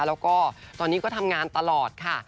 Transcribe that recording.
แล้วก็ตอนนี้ก็ทำงานตลอดค่ะ